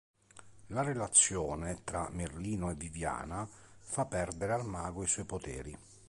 La relazione tra Merlino e Viviana, fa perdere al mago i suoi poteri.